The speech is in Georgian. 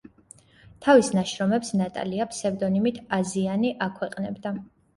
თავის ნაშრომებს ნატალია ფსევდონიმით „აზიანი“ აქვეყნებდა.